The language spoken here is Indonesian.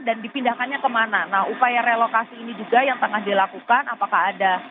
dan dipindahkannya kemana nah upaya relokasi ini juga yang tengah dilakukan apakah ada